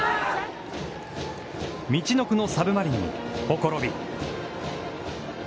みちのくのサブマリンにほころび。